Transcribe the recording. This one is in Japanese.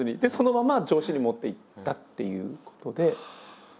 でそのまま上司に持っていったっていうことで。